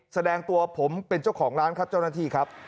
แสดงตัวผมเป็นเจ้าของร้านครับเจ้าหน้าที่ครับ